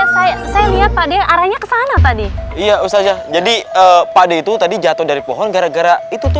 saya lihat pada arahnya kesana tadi iya usaha jadi pada itu tadi jatuh dari pohon gara gara itu tuh